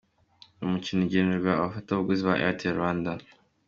Uyu mukino ugenewe abafatabuguzi ba Airtel Rwanda.